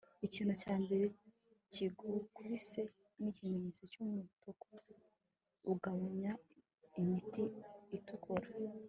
ikintu cya mbere kigukubise nikimenyetso cyumutuku ugabanya imiti itukura